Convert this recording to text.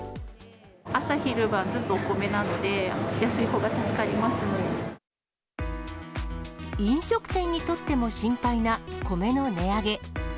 朝昼晩、ずっとお米なので、飲食店にとっても心配な米の値上げ。